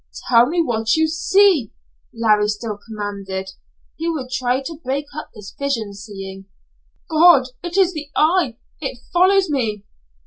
"Tell me what you see," Larry still commanded. He would try to break up this vision seeing. "God! It is the eye. It follows me.